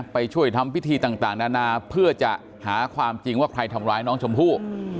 ไปช่วยทำพิธีต่างนานาเพื่อจะหาความจริงว่าใครทำร้ายน้องชมพู่